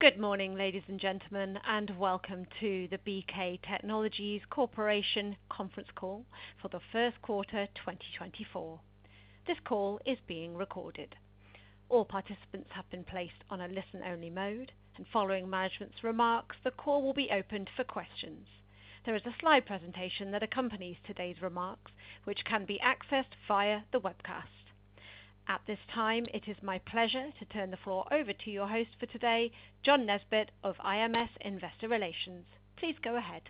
Good morning, ladies and gentlemen, and welcome to the BK Technologies Corporation conference call for the first quarter 2024. This call is being recorded. All participants have been placed on a listen-only mode, and following management's remarks, the call will be opened for questions. There is a slide presentation that accompanies today's remarks, which can be accessed via the webcast. At this time, it is my pleasure to turn the floor over to your host for today, John Nesbett of IMS Investor Relations. Please go ahead.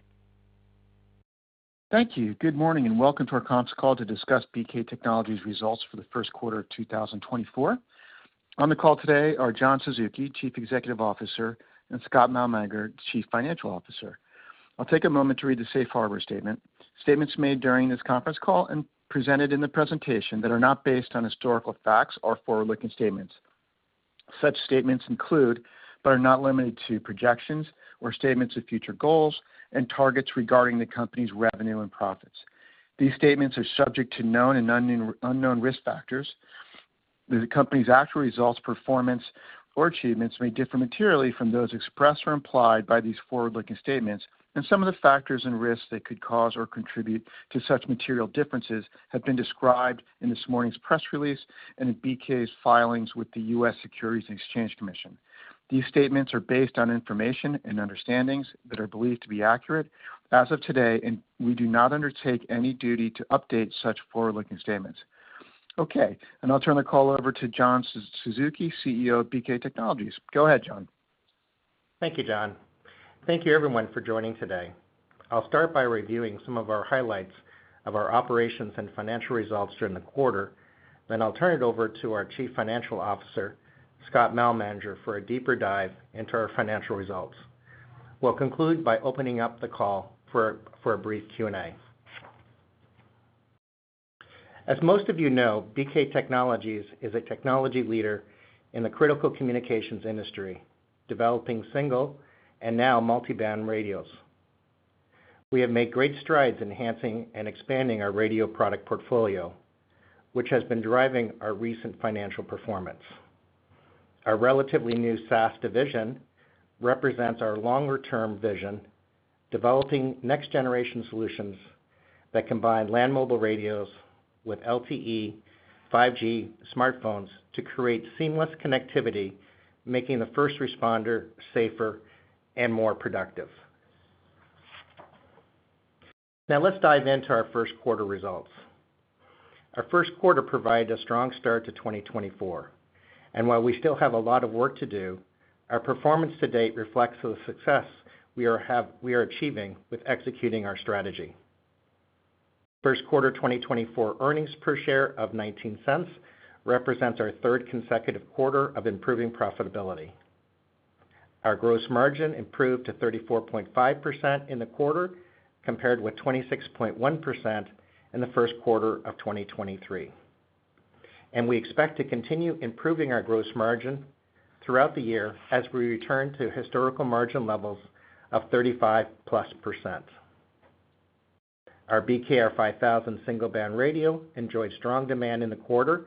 Thank you. Good morning and welcome to our conference call to discuss BK Technologies' results for the first quarter of 2024. On the call today are John Suzuki, Chief Executive Officer, and Scott Malmanger, Chief Financial Officer. I'll take a moment to read the safe harbor statement. Statements made during this conference call and presented in the presentation that are not based on historical facts or forward-looking statements. Such statements include but are not limited to projections or statements of future goals and targets regarding the company's revenue and profits. These statements are subject to known and unknown risk factors. The company's actual results, performance, or achievements may differ materially from those expressed or implied by these forward-looking statements, and some of the factors and risks that could cause or contribute to such material differences have been described in this morning's press release and in BK's filings with the U.S. Securities and Exchange Commission. These statements are based on information and understandings that are believed to be accurate as of today, and we do not undertake any duty to update such forward-looking statements. Okay, and I'll turn the call over to John Suzuki, CEO of BK Technologies. Go ahead, John. Thank you, John. Thank you, everyone, for joining today. I'll start by reviewing some of our highlights of our operations and financial results during the quarter, then I'll turn it over to our Chief Financial Officer, Scott Malmanger, for a deeper dive into our financial results. We'll conclude by opening up the call for a brief Q&A. As most of you know, BK Technologies is a technology leader in the critical communications industry, developing single and now multiband radios. We have made great strides enhancing and expanding our radio product portfolio, which has been driving our recent financial performance. Our relatively new SaaS division represents our longer-term vision, developing next-generation solutions that combine land mobile radios with LTE, 5G smartphones to create seamless connectivity, making the first responder safer and more productive. Now let's dive into our first quarter results. Our first quarter provided a strong start to 2024, and while we still have a lot of work to do, our performance to date reflects the success we are achieving with executing our strategy. First quarter 2024 earnings per share of $0.19 represents our third consecutive quarter of improving profitability. Our gross margin improved to 34.5% in the quarter compared with 26.1% in the first quarter of 2023, and we expect to continue improving our gross margin throughout the year as we return to historical margin levels of 35%+. Our BKR 5000 single band radio enjoyed strong demand in the quarter,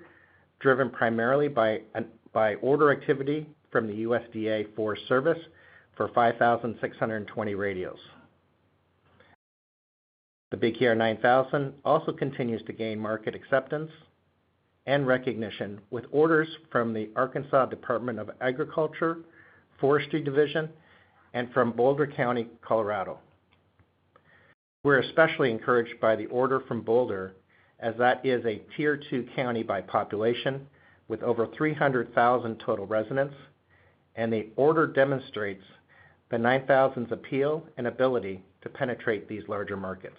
driven primarily by order activity from the USDA Forest Service for 5,620 radios. The BKR 9000 also continues to gain market acceptance and recognition with orders from the Arkansas Department of Agriculture, Forestry Division, and from Boulder County, Colorado. We're especially encouraged by the order from Boulder, as that is a Tier 2 county by population with over 300,000 total residents, and the order demonstrates the 9000's appeal and ability to penetrate these larger markets.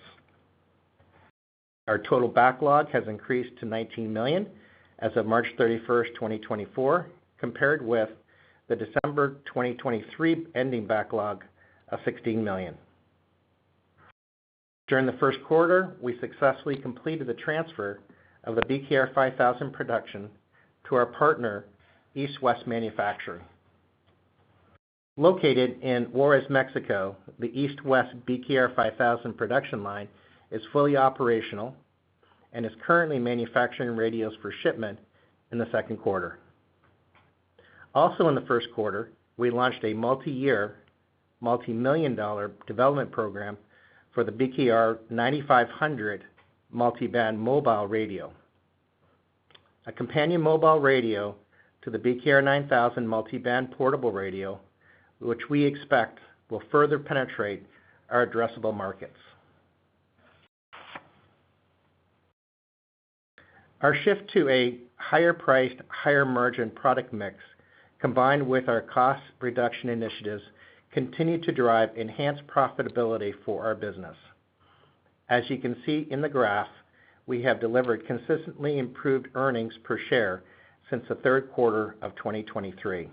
Our total backlog has increased to $19 million as of March 31st, 2024, compared with the December 2023 ending backlog of $16 million. During the first quarter, we successfully completed the transfer of the BKR 5000 production to our partner, East West Manufacturing. Located in Juarez, Mexico, the East West BKR 5000 production line is fully operational and is currently manufacturing radios for shipment in the second quarter. Also in the first quarter, we launched a multi-year, multi-million dollar development program for the BKR 9500 multiband mobile radio, a companion mobile radio to the BKR 9000 multiband portable radio, which we expect will further penetrate our addressable markets. Our shift to a higher-priced, higher-margin product mix, combined with our cost reduction initiatives, continues to drive enhanced profitability for our business. As you can see in the graph, we have delivered consistently improved earnings per share since the third quarter of 2023.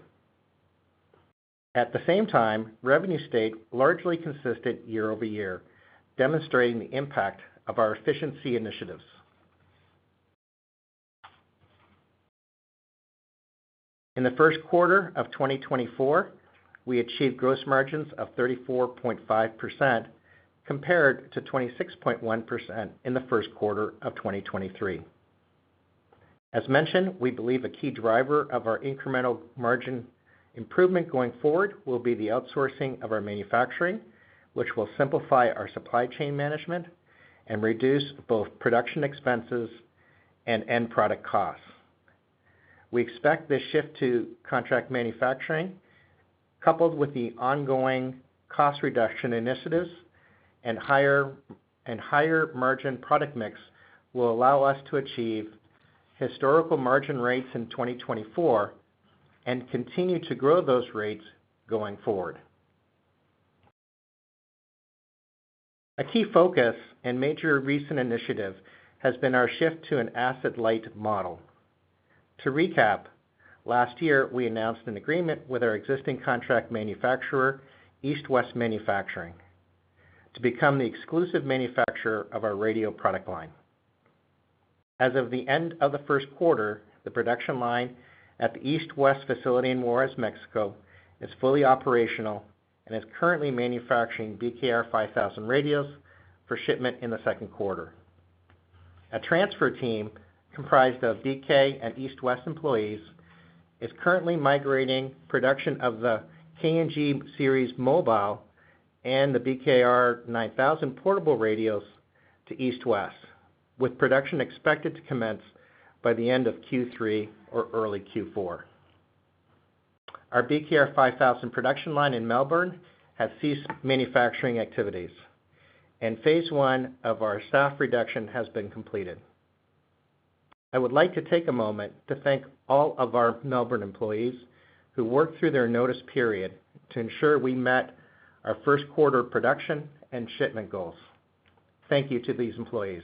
At the same time, revenue stayed largely consistent year over year, demonstrating the impact of our efficiency initiatives. In the first quarter of 2024, we achieved gross margins of 34.5% compared to 26.1% in the first quarter of 2023. As mentioned, we believe a key driver of our incremental margin improvement going forward will be the outsourcing of our manufacturing, which will simplify our supply chain management and reduce both production expenses and end product costs. We expect this shift to contract manufacturing, coupled with the ongoing cost reduction initiatives and higher-margin product mix, will allow us to achieve historical margin rates in 2024 and continue to grow those rates going forward. A key focus and major recent initiative has been our shift to an asset-light model. To recap, last year we announced an agreement with our existing contract manufacturer, East West Manufacturing, to become the exclusive manufacturer of our radio product line. As of the end of the first quarter, the production line at the East West facility in Juarez, Mexico, is fully operational and is currently manufacturing BKR 5000 radios for shipment in the second quarter. A transfer team comprised of BK and East West employees is currently migrating production of the KNG Series mobile and the BKR 9000 portable radios to East West, with production expected to commence by the end of Q3 or early Q4. Our BKR 5000 production line in Melbourne has ceased manufacturing activities, and phase one of our staff reduction has been completed. I would like to take a moment to thank all of our Melbourne employees who worked through their notice period to ensure we met our first quarter production and shipment goals. Thank you to these employees.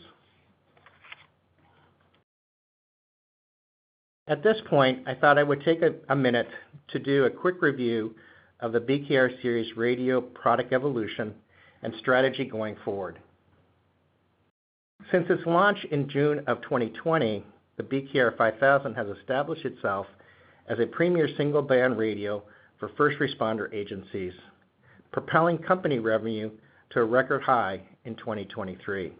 At this point, I thought I would take a minute to do a quick review of the BKR Series radio product evolution and strategy going forward. Since its launch in June of 2020, the BKR 5000 has established itself as a premier single band radio for first responder agencies, propelling company revenue to a record high in 2023.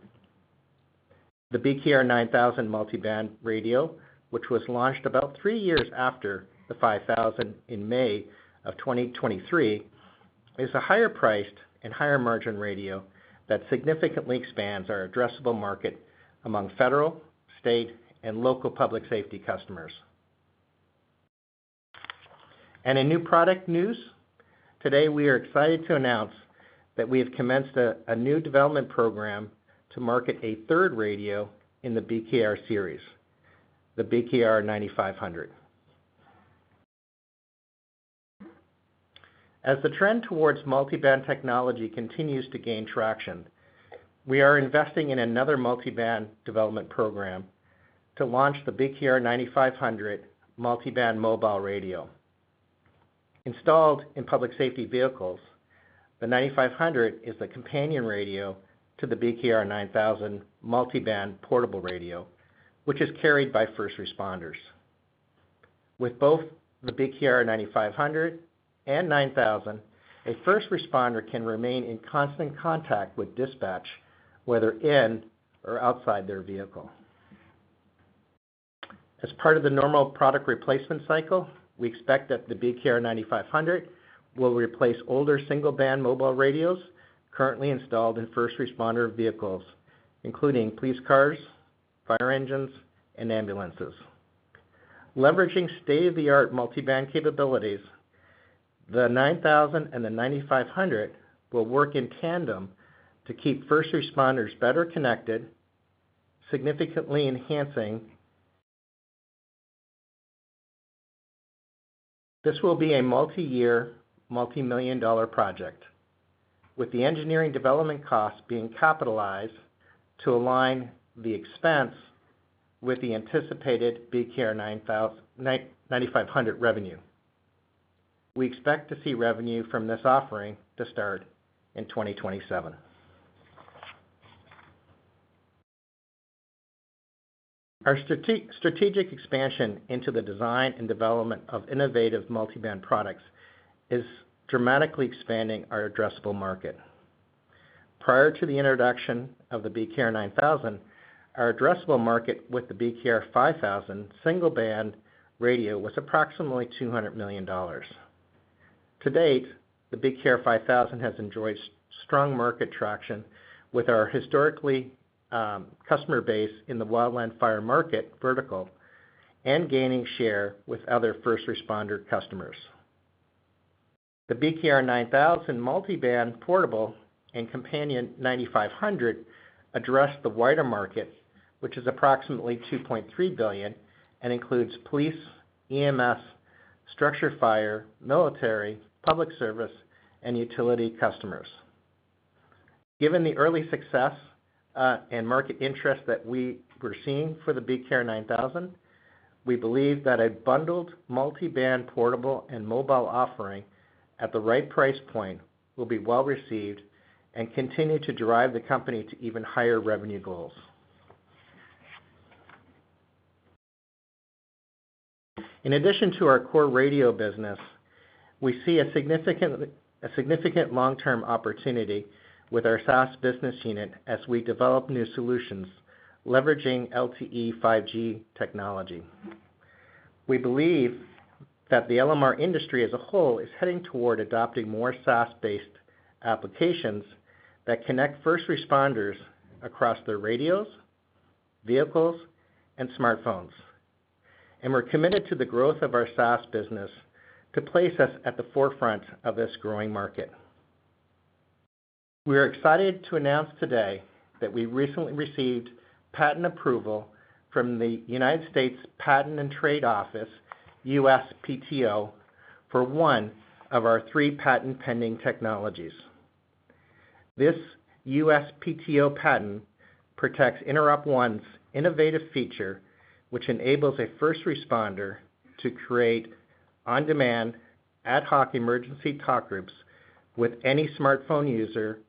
The BKR 9000 multiband radio, which was launched about three years after the 5000 in May of 2023, is a higher-priced and higher-margin radio that significantly expands our addressable market among federal, state, and local public safety customers. In new product news, today we are excited to announce that we have commenced a new development program to market a third radio in the BKR Series, the BKR 9500. As the trend towards multiband technology continues to gain traction, we are investing in another multiband development program to launch the BKR 9500 multiband mobile radio. Installed in public safety vehicles, the 9500 is the companion radio to the BKR 9000 multiband portable radio, which is carried by first responders. With both the BKR 9500 and 9000, a first responder can remain in constant contact with dispatch, whether in or outside their vehicle. As part of the normal product replacement cycle, we expect that the BKR 9500 will replace older single band mobile radios currently installed in first responder vehicles, including police cars, fire engines, and ambulances. Leveraging state-of-the-art multiband capabilities, the 9000 and the 9500 will work in tandem to keep first responders better connected, significantly enhancing. This will be a multi-year, multi-million-dollar project, with the engineering development costs being capitalized to align the expense with the anticipated BKR 9500 revenue. We expect to see revenue from this offering to start in 2027. Our strategic expansion into the design and development of innovative multiband products is dramatically expanding our addressable market. Prior to the introduction of the BKR 9000, our addressable market with the BKR 5000 single band radio was approximately $200 million. To date, the BKR 5000 has enjoyed strong market traction with our historical customer base in the wildland fire market vertical and gaining share with other first responder customers. The BKR 9000 multiband portable and companion 9500 address the wider market, which is approximately $2.3 billion and includes police, EMS, structured fire, military, public service, and utility customers. Given the early success and market interest that we were seeing for the BKR 9000, we believe that a bundled multiband portable and mobile offering at the right price point will be well received and continue to drive the company to even higher revenue goals. In addition to our core radio business, we see a significant long-term opportunity with our SaaS business unit as we develop new solutions leveraging LTE 5G technology. We believe that the LMR industry as a whole is heading toward adopting more SaaS-based applications that connect first responders across their radios, vehicles, and smartphones, and we're committed to the growth of our SaaS business to place us at the forefront of this growing market. We are excited to announce today that we recently received patent approval from the United States Patent and Trademark Office, USPTO, for one of our three patent pending technologies. This USPTO patent protects InteropONE's innovative feature, which enables a first responder to create on-demand ad hoc emergency talk groups with any smartphone user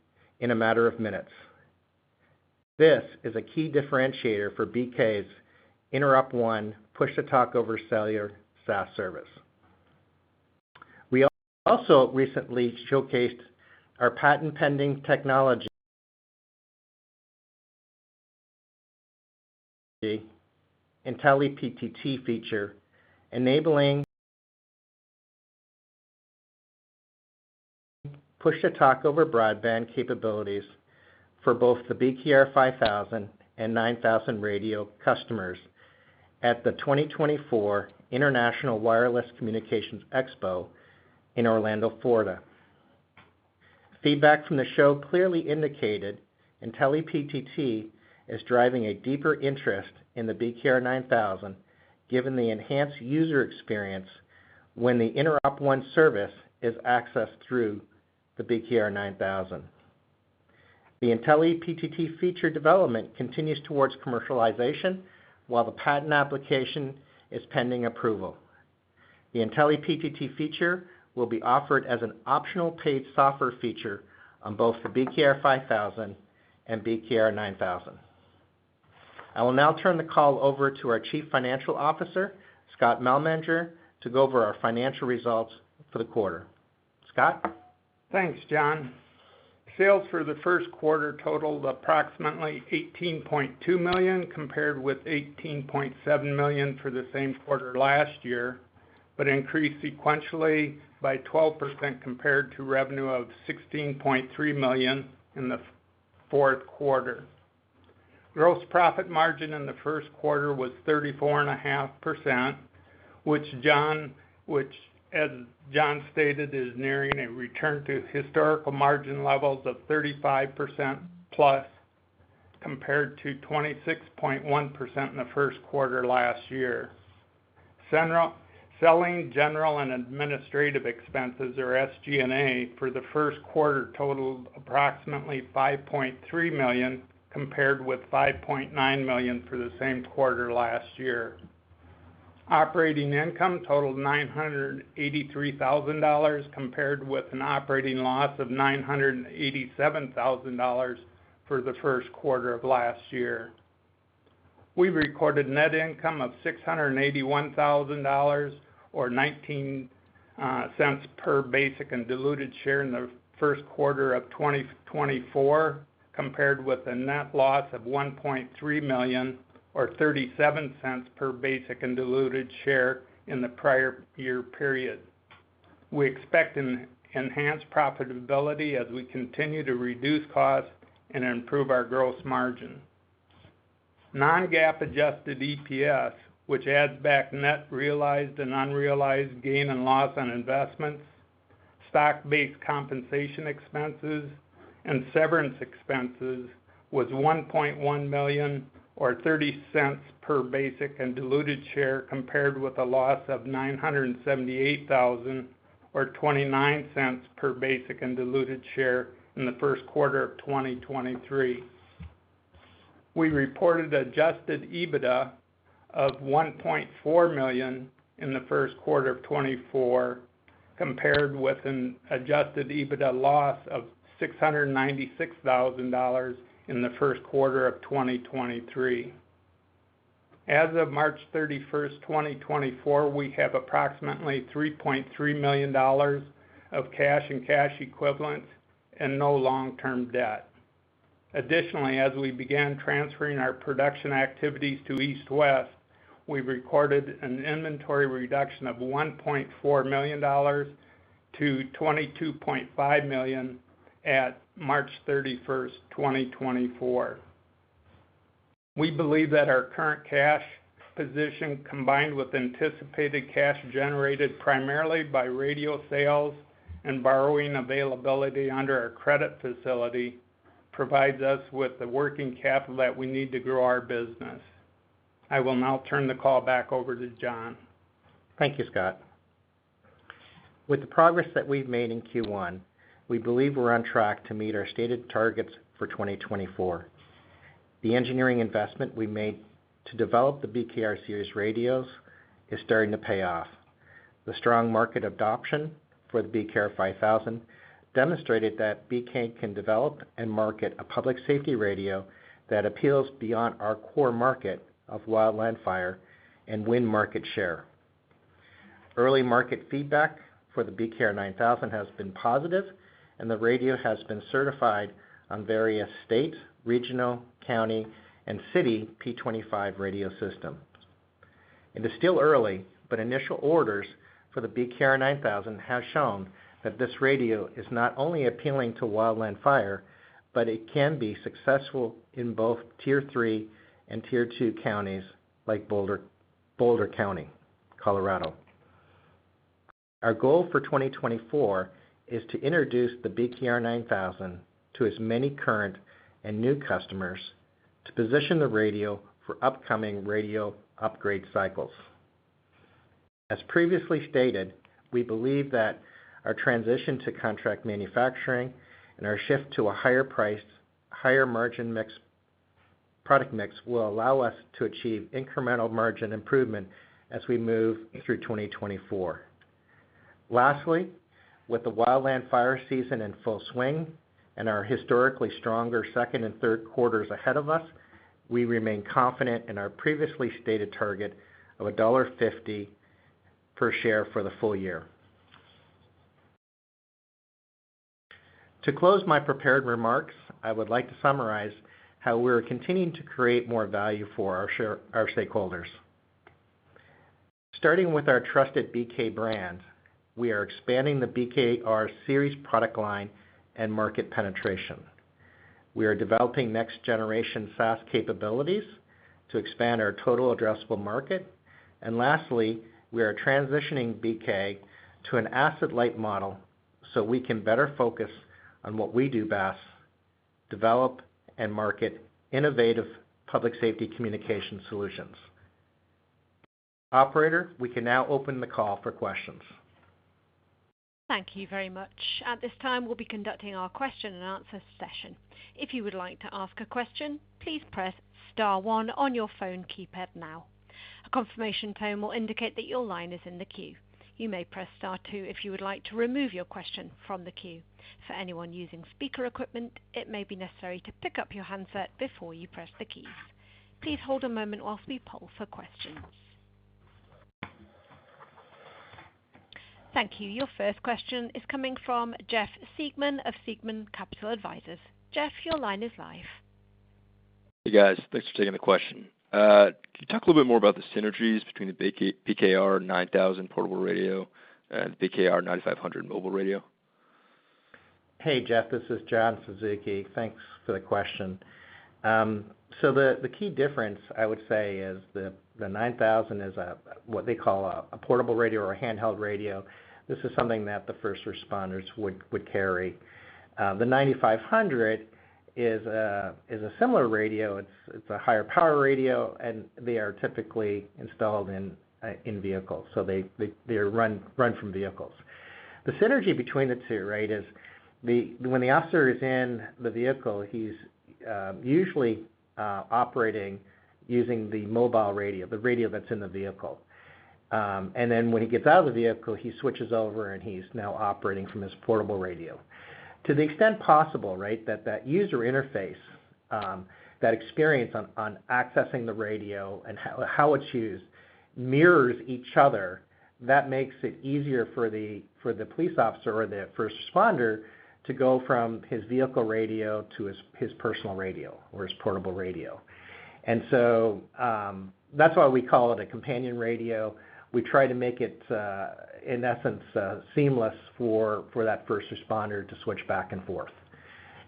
in a matter of minutes. This is a key differentiator for BK's InteropONE push-to-talk over cellular SaaS service. We also recently showcased our patent-pending technology, IntelliPTT feature, enabling push-to-talk over broadband capabilities for both the BKR 5000 and BKR 9000 radio customers at the 2024 International Wireless Communications Expo in Orlando, Florida. Feedback from the show clearly indicated IntelliPTT is driving a deeper interest in the BKR 9000 given the enhanced user experience when the InteropONE service is accessed through the BKR 9000. The IntelliPTT feature development continues towards commercialization while the patent application is pending approval. The IntelliPTT feature will be offered as an optional paid software feature on both the BKR 5000 and BKR 9000. I will now turn the call over to our Chief Financial Officer, Scott Malmanger, to go over our financial results for the quarter. Scott. Thanks, John. Sales for the first quarter totaled approximately $18.2 million compared with $18.7 million for the same quarter last year, but increased sequentially by 12% compared to revenue of $16.3 million in the fourth quarter. Gross profit margin in the first quarter was 34.5%, which, as John stated, is nearing a return to historical margin levels of 35% plus compared to 26.1% in the first quarter last year. Selling general and administrative expenses, or SG&A, for the first quarter totaled approximately $5.3 million compared with $5.9 million for the same quarter last year. Operating income totaled $983,000 compared with an operating loss of $987,000 for the first quarter of last year. We've recorded net income of $681,000 or $0.19 per basic and diluted share in the first quarter of 2024 compared with a net loss of $1.3 million or $0.37 per basic and diluted share in the prior year period. We expect enhanced profitability as we continue to reduce costs and improve our gross margin. Non-GAAP adjusted EPS, which adds back net realized and unrealized gain and loss on investments, stock-based compensation expenses, and severance expenses, was $1.1 million or $0.30 per basic and diluted share compared with a loss of $978,000 or $0.29 per basic and diluted share in the first quarter of 2023. We reported adjusted EBITDA of $1.4 million in the first quarter of 2024 compared with an adjusted EBITDA loss of $696,000 in the first quarter of 2023. As of March 31st, 2024, we have approximately $3.3 million of cash and cash equivalents and no long-term debt. Additionally, as we began transferring our production activities to East West, we've recorded an inventory reduction of $1.4 million to $22.5 million at March 31st, 2024. We believe that our current cash position, combined with anticipated cash generated primarily by radio sales and borrowing availability under our credit facility, provides us with the working capital that we need to grow our business. I will now turn the call back over to John. Thank you, Scott. With the progress that we've made in Q1, we believe we're on track to meet our stated targets for 2024. The engineering investment we made to develop the BKR series radios is starting to pay off. The strong market adoption for the BKR 5000 demonstrated that BK can develop and market a public safety radio that appeals beyond our core market of wildland fire and win market share. Early market feedback for the BKR 9000 has been positive, and the radio has been certified on various state, regional, county, and city P25 radio systems. It is still early, but initial orders for the BKR 9000 have shown that this radio is not only appealing to wildland fire, but it can be successful in both Tier 3 and Tier 2 counties like Boulder County, Colorado. Our goal for 2024 is to introduce the BKR 9000 to as many current and new customers to position the radio for upcoming radio upgrade cycles. As previously stated, we believe that our transition to contract manufacturing and our shift to a higher price, higher margin mix product mix will allow us to achieve incremental margin improvement as we move through 2024. Lastly, with the wildland fire season in full swing and our historically stronger second and third quarters ahead of us, we remain confident in our previously stated target of $1.50 per share for the full year. To close my prepared remarks, I would like to summarize how we are continuing to create more value for our stakeholders. Starting with our trusted BK brand, we are expanding the BKR Series product line and market penetration. We are developing next-generation SaaS capabilities to expand our total addressable market. And lastly, we are transitioning BK to an asset-light model so we can better focus on what we do best: develop and market innovative public safety communication solutions. Operator, we can now open the call for questions. Thank you very much. At this time, we'll be conducting our question and answer session. If you would like to ask a question, please press star one on your phone keypad now. A confirmation tone will indicate that your line is in the queue. You may press star two if you would like to remove your question from the queue. For anyone using speaker equipment, it may be necessary to pick up your handset before you press the keys. Please hold a moment while we poll for questions. Thank you. Your first question is coming from Jeff Siegman of Siegman Capital Partners. Jeff, your line is live. Hey, guys. Thanks for taking the question. Can you talk a little bit more about the synergies between the BKR 9000 portable radio and the BKR 9500 mobile radio? Hey, Jeff. This is John Suzuki. Thanks for the question. So the key difference, I would say, is the 9000 is what they call a portable radio or a handheld radio. This is something that the first responders would carry. The 9500 is a similar radio. It's a higher power radio, and they are typically installed in vehicles, so they run from vehicles. The synergy between the two, right, is when the officer is in the vehicle, he's usually operating using the mobile radio, the radio that's in the vehicle. And then when he gets out of the vehicle, he switches over, and he's now operating from his portable radio. To the extent possible, right, that that user interface, that experience on accessing the radio and how it's used mirrors each other, that makes it easier for the police officer or the first responder to go from his vehicle radio to his personal radio or his portable radio. And so that's why we call it a companion radio. We try to make it, in essence, seamless for that first responder to switch back and forth.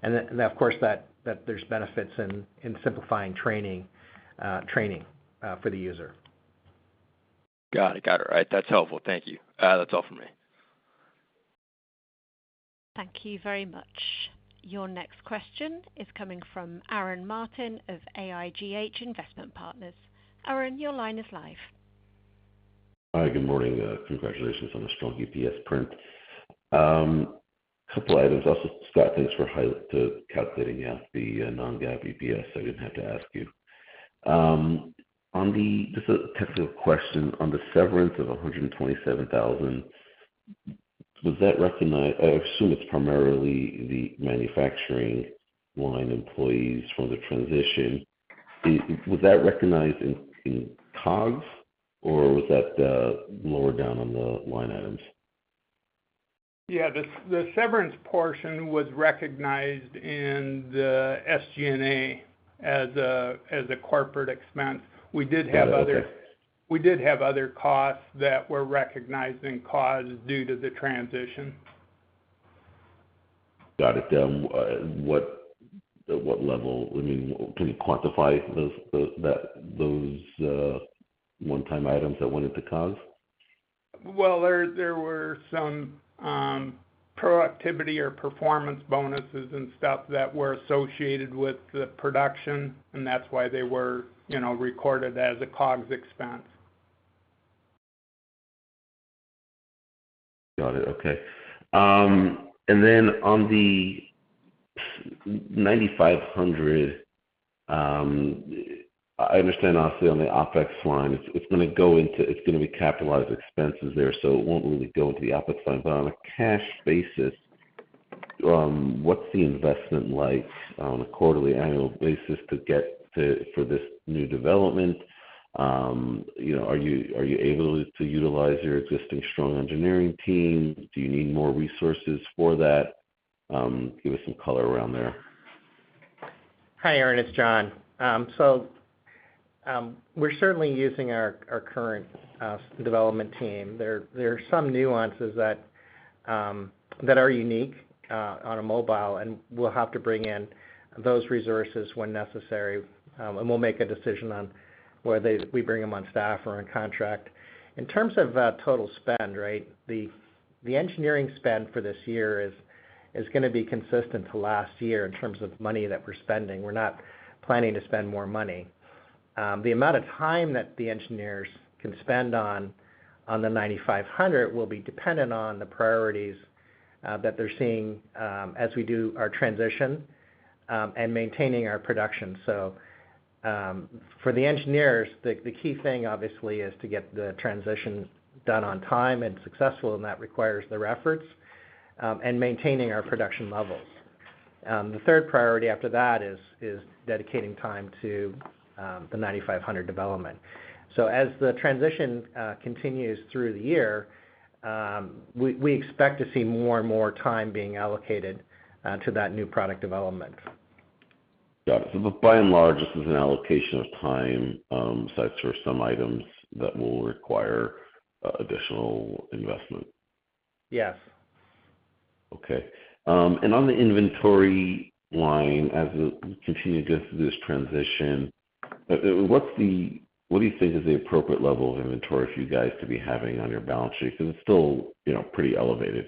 And of course, there's benefits in simplifying training for the user. Got it. Got it. All right. That's helpful. Thank you. That's all from me. Thank you very much. Your next question is coming from Aaron Martin of AIGH Investment Partners. Aaron, your line is live. Hi. Good morning. Congratulations on a strong EPS print. A couple of items. Also, Scott, thanks for calculating out the non-GAAP EPS. I didn't have to ask you. Just a technical question. On the severance of $127,000, I assume it's primarily the manufacturing line employees from the transition. Was that recognized in COGS, or was that lower down on the line items? Yeah. The severance portion was recognized in the SG&A as a corporate expense. We did have other costs that were recognized in COGS due to the transition. Got it. What level, I mean, can you quantify those one-time items that went into COGS? Well, there were some productivity or performance bonuses and stuff that were associated with the production, and that's why they were recorded as a COGS expense. Got it. Okay. And then on the 9500, I understand, honestly, on the OPEX line, it's going to be capitalized expenses there, so it won't really go into the OPEX line. But on a cash basis, what's the investment like on a quarterly, annual basis for this new development? Are you able to utilize your existing strong engineering team? Do you need more resources for that? Give us some color around there. Hi, Aaron. It's John. So we're certainly using our current development team. There are some nuances that are unique on a mobile, and we'll have to bring in those resources when necessary, and we'll make a decision on whether we bring them on staff or on contract. In terms of total spend, right, the engineering spend for this year is going to be consistent to last year in terms of money that we're spending. We're not planning to spend more money. The amount of time that the engineers can spend on the 9500 will be dependent on the priorities that they're seeing as we do our transition and maintaining our production. So for the engineers, the key thing, obviously, is to get the transition done on time and successful, and that requires their efforts, and maintaining our production levels. The third priority after that is dedicating time to the 9500 development. So as the transition continues through the year, we expect to see more and more time being allocated to that new product development. Got it. So by and large, this is an allocation of time aside from some items that will require additional investment. Yes. Okay. And on the inventory line, as we continue to go through this transition, what do you think is the appropriate level of inventory for you guys to be having on your balance sheet? Because it's still pretty elevated.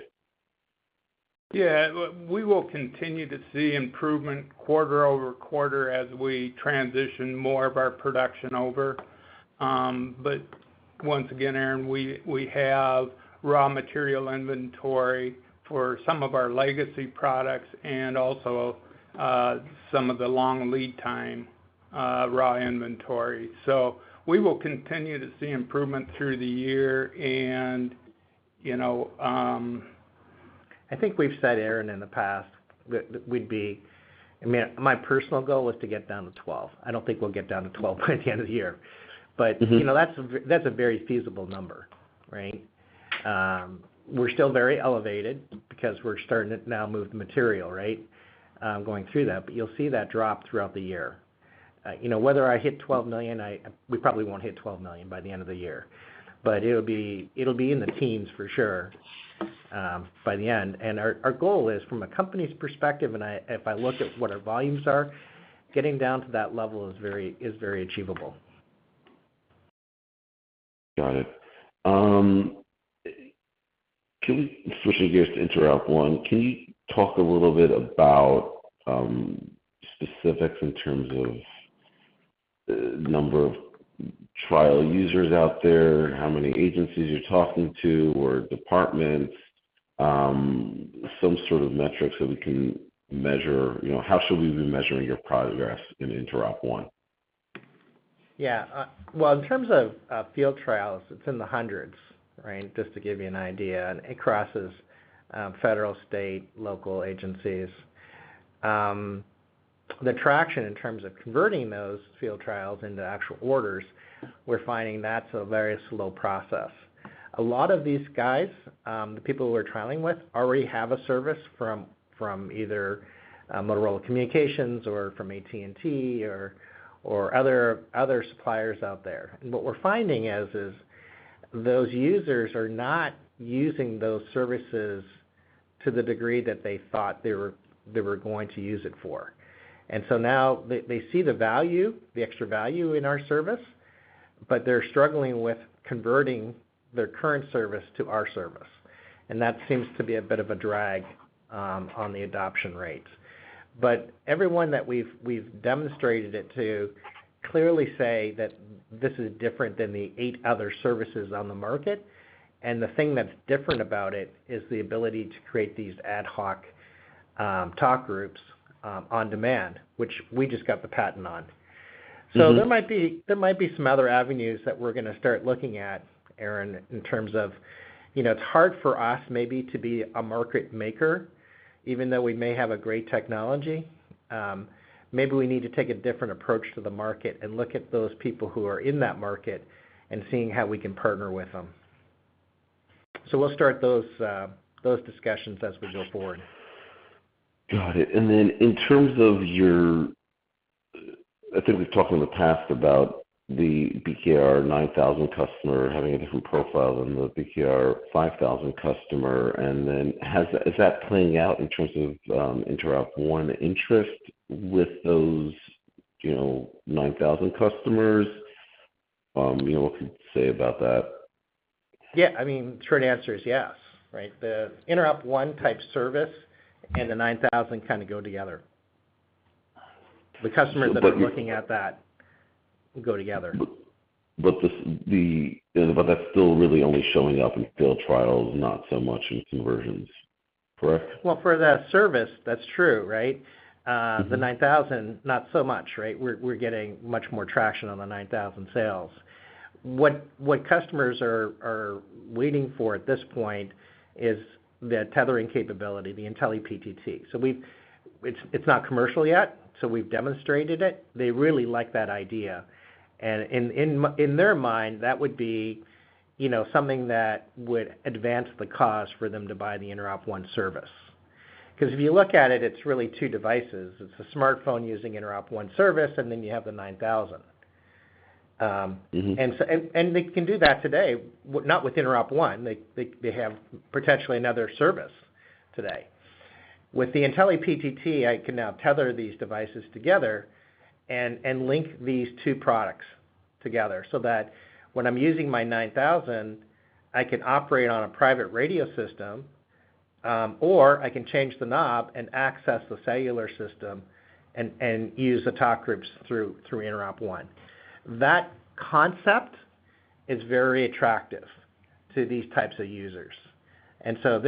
Yeah. We will continue to see improvement quarter-over-quarter as we transition more of our production over. But once again, Aaron, we have raw material inventory for some of our legacy products and also some of the long lead time raw inventory. So we will continue to see improvement through the year. And I think we've said, Aaron, in the past that we'd be I mean, my personal goal is to get down to $12 million. I don't think we'll get down to $12 million by the end of the year. But that's a very feasible number, right? We're still very elevated because we're starting to now move the material, right, going through that. But you'll see that drop throughout the year. Whether I hit $12 million, we probably won't hit $12 million by the end of the year. But it'll be in the teens, for sure, by the end. And our goal is, from a company's perspective, and if I look at what our volumes are, getting down to that level is very achievable. Got it. Switching gears to InteropONE, can you talk a little bit about specifics in terms of number of trial users out there, how many agencies you're talking to or departments, some sort of metrics that we can measure? How should we be measuring your progress in InteropONE? Yeah. Well, in terms of field trials, it's in the hundreds, right, just to give you an idea. And it crosses federal, state, local agencies. The traction in terms of converting those field trials into actual orders, we're finding that's a very slow process. A lot of these guys, the people we're trialing with, already have a service from either Motorola Communications or from AT&T or other suppliers out there. What we're finding is those users are not using those services to the degree that they thought they were going to use it for. So now they see the value, the extra value in our service, but they're struggling with converting their current service to our service. That seems to be a bit of a drag on the adoption rate. But everyone that we've demonstrated it to clearly say that this is different than the eight other services on the market. The thing that's different about it is the ability to create these ad hoc talk groups on demand, which we just got the patent on. So there might be some other avenues that we're going to start looking at, Aaron, in terms of it's hard for us maybe to be a market maker, even though we may have a great technology. Maybe we need to take a different approach to the market and look at those people who are in that market and seeing how we can partner with them. So we'll start those discussions as we go forward. Got it. And then in terms of your I think we've talked in the past about the BKR 9000 customer having a different profile than the BKR 5000 customer. And then is that playing out in terms of InteropONE interest with those 9000 customers? What can you say about that? Yeah. I mean, the short answer is yes, right? The InteropONE type service and the 9000 kind of go together. The customers that are looking at that go together. But that's still really only showing up in field trials, not so much in conversions, correct? Well, for that service, that's true, right? The 9000, not so much, right? We're getting much more traction on the 9000 sales. What customers are waiting for at this point is the tethering capability, the IntelliPTT. So it's not commercial yet, so we've demonstrated it. They really like that idea. And in their mind, that would be something that would advance the cost for them to buy the InteropONE service. Because if you look at it, it's really two devices. It's a smartphone using InteropONE service, and then you have the 9000. And they can do that today, not with InteropONE. They have potentially another service today. With the IntelliPTT, I can now tether these devices together and link these two products together so that when I'm using my 9000, I can operate on a private radio system, or I can change the knob and access the cellular system and use the talk groups through InteropONE. That concept is very attractive to these types of users. So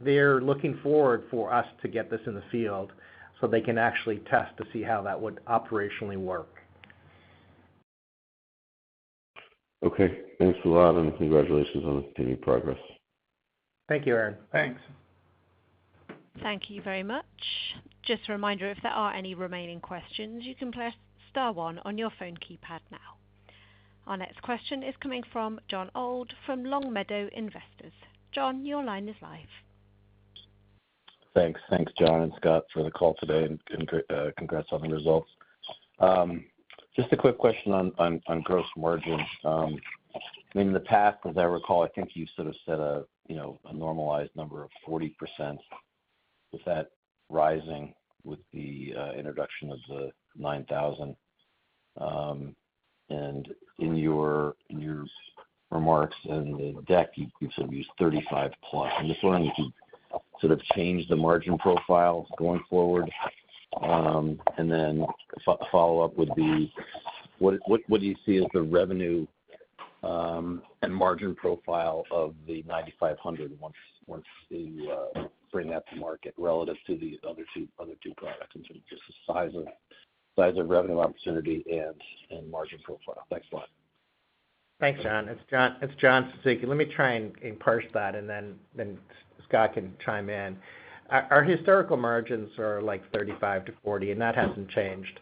they're looking forward for us to get this in the field so they can actually test to see how that would operationally work. Okay. Thanks a lot, and congratulations on the continued progress. Thank you, Aaron. Thanks. Thank you very much. Just a reminder, if there are any remaining questions, you can press star one on your phone keypad now. Our next question is coming from Jon Old from Long Meadow Investors. Jon, your line is live. Thanks. Thanks, John and Scott, for the call today, and congrats on the results. Just a quick question on gross margin. I mean, in the past, as I recall, I think you sort of said a normalized number of 40%. Was that rising with the introduction of the 9000? And in your remarks and the deck, you've sort of used 35%+. I'm just wondering if you'd sort of change the margin profile going forward. And then follow-up would be, what do you see as the revenue and margin profile of the 9500 once you bring that to market relative to the other two products in terms of just the size of revenue opportunity and margin profile? Thanks a lot. Thanks, Jon. It's John Suzuki. Let me try and parse that, and then Scott can chime in. Our historical margins are like 35%-40%, and that hasn't changed.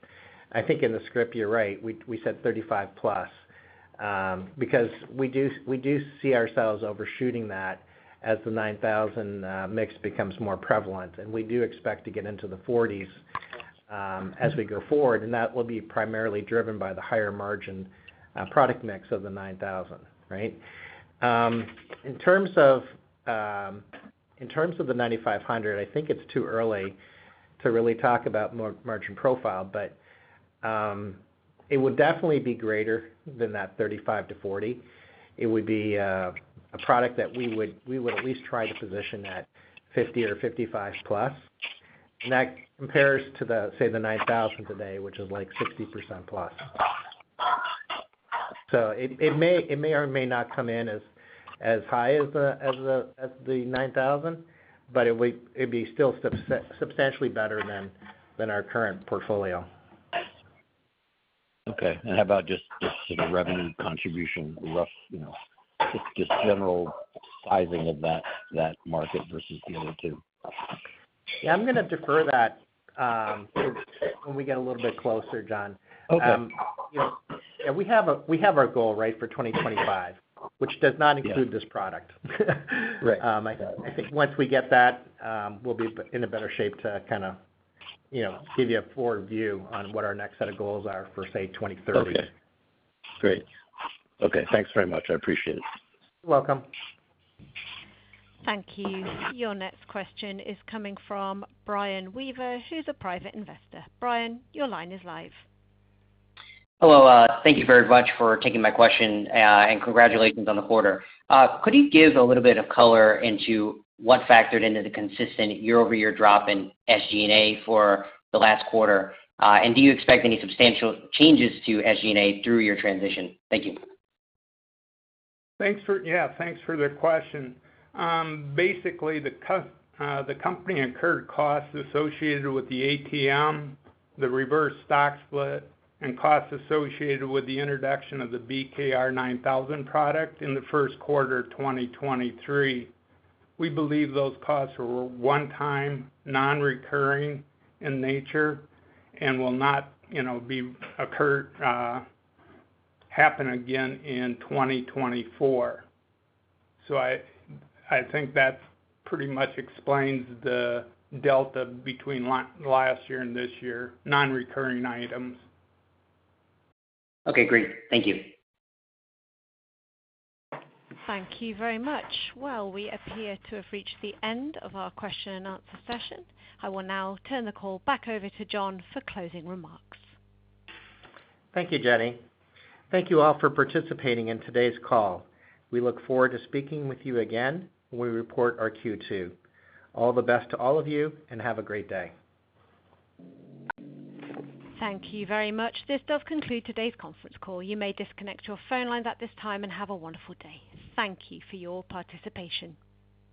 I think in the script, you're right. We said 35+ because we do see ourselves overshooting that as the 9000 mix becomes more prevalent. And we do expect to get into the 40s as we go forward, and that will be primarily driven by the higher margin product mix of the 9000, right? In terms of the 9500, I think it's too early to really talk about margin profile, but it would definitely be greater than that 35-40. It would be a product that we would at least try to position at 50 or 55+. And that compares to, say, the 9000 today, which is like 60%+. So it may or may not come in as high as the 9000, but it'd be still substantially better than our current portfolio. Okay. And how about just sort of revenue contribution, just general sizing of that market versus the other two? Yeah. I'm going to defer that when we get a little bit closer, John. Yeah. We have our goal, right, for 2025, which does not include this product. I think once we get that, we'll be in a better shape to kind of give you a forward view on what our next set of goals are for, say, 2030. Okay. Great. Okay. Thanks very much. I appreciate it. You're welcome. Thank you. Your next question is coming from Brian Weaver, who's a private investor. Brian, your line is live. Hello. Thank you very much for taking my question, and congratulations on the quarter. Could you give a little bit of color into what factored into the consistent year-over-year drop in SG&A for the last quarter? Do you expect any substantial changes to SG&A through your transition? Thank you. Yeah. Thanks for the question. Basically, the company incurred costs associated with the ATM, the reverse stock split, and costs associated with the introduction of the BKR 9000 product in the first quarter of 2023. We believe those costs were one-time, non-recurring in nature, and will not happen again in 2024. So I think that pretty much explains the delta between last year and this year, non-recurring items. Okay. Great. Thank you. Thank you very much. Well, we appear to have reached the end of our question-and-answer session. I will now turn the call back over to John for closing remarks. Thank you, Jenny. Thank you all for participating in today's call. We look forward to speaking with you again when we report our Q2. All the best to all of you, and have a great day. Thank you very much. This does conclude today's conference call. You may disconnect your phone lines at this time and have a wonderful day. Thank you for your participation.